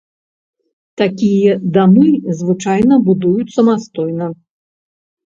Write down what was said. Такія дамы звычайна будуюць самастойна.